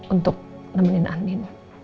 untuk nemenin andin